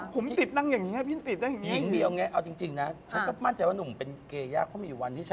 ก็ดูนิ้วเนิ้วหนังเริ่มไปมากกว่า